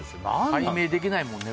解明できないもんね